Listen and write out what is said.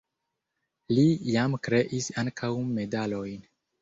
Li jam kreis ankaŭ medalojn.